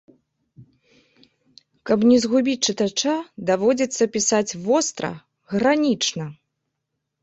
Каб не згубіць чытача, даводзіцца пісаць востра, гранічна.